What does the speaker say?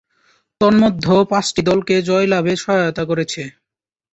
তন্মধ্যে পাঁচটি দলকে জয়লাভে সহায়তা করেছে।